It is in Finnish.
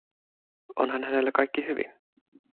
Onhan hänellä kaikki hyvin?